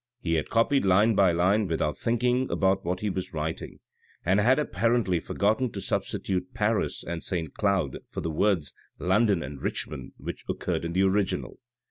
He had copied line by line without thinking about what he was writing, and had apparently forgotten to substitute Paris and Saint Cloud for the words London and Richmond which occurred in the original.